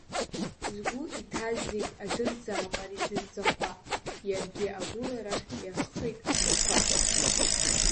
Сгәы иҭаз зегь адырзаап ари са сӡахәа, иаргьы агәыларахь иарххеит анапқәа.